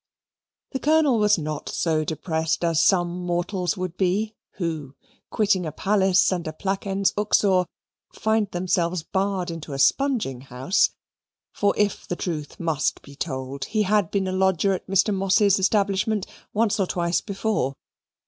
The Colonel was not so depressed as some mortals would be, who, quitting a palace and a placens uxor, find themselves barred into a spunging house; for, if the truth must be told, he had been a lodger at Mr. Moss's establishment once or twice before.